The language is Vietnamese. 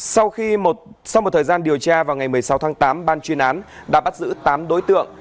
sau một thời gian điều tra vào ngày một mươi sáu tháng tám ban chuyên án đã bắt giữ tám đối tượng